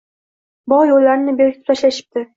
Bog‘ yo‘llarini berkitib tashlashibdi.